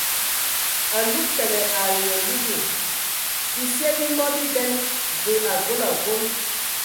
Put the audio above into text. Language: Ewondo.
Alug təgə ai alugu ;bisie bi mɔ biben və avɔl avɔl.